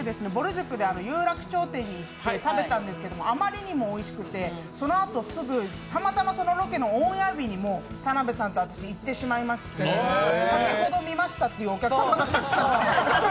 ロケでぼる塾で有楽町店に行って食べたんですけれども、あまりにもおいしくて、そのあとすぐたまたまそのロケのオンエア日にも田辺さんと私、行ってしまいまして先ほど見ましたっていうお客様がたくさん。